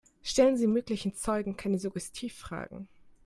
Stellen Sie möglichen Zeugen keine Suggestivfragen.